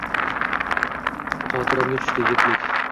Xotirimga tushdi yigitlik